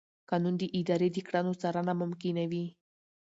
قانون د ادارې د کړنو څارنه ممکنوي.